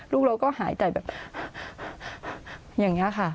ลูกเราก็หายใจแบบอย่างนี้ค่ะ